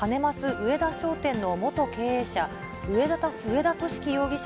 上田商店の元経営者、上田敏樹容疑者